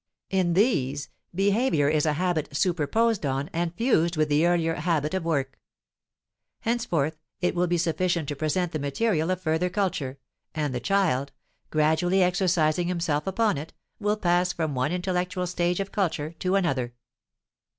In these, behavior is a habit superposed on and fused with the earlier habit of work. Henceforth it will be sufficient to present the material of further culture, and the child, gradually exercising himself upon it, will pass from one intellectual stage of culture to another.